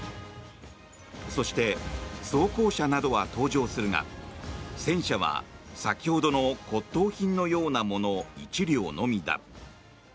そして、装甲車などは登場するが戦車は、先ほどの骨とう品のようなもの１両のみだ。